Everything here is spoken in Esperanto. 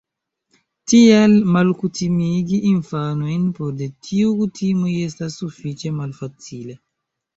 Tial, malkutimigi infanojn for de tiuj kutimoj estas sufiĉe malfacile.